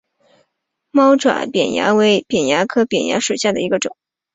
猫爪扁蚜为扁蚜科刺额扁蚜属下的一个种。